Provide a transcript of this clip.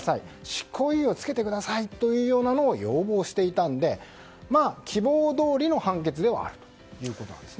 執行猶予つけてくださいというのを要望していたので希望どおりの判決ではあるということなんです。